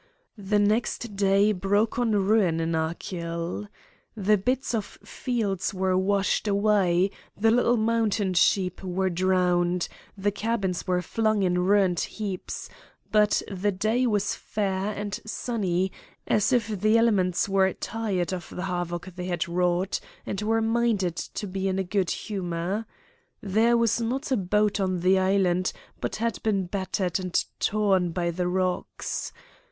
The next day broke on ruin in Achill. The bits of fields were washed away, the little mountain sheep were drowned, the cabins were flung in ruined heaps; but the day was fair and sunny, as if the elements were tired of the havoc they had wrought and were minded to be in a good humour. There was not a boat on the Island but had been battered and torn by the rocks.